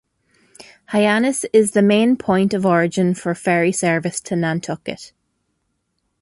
Hyannis is the main point of origin for ferry service to Nantucket.